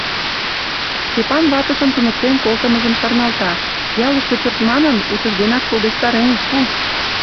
Стапан ватыжын туныктен колтымыжым шарналта: «Ялыште пӧрт манын, утыжденак шулдештарен ит пу.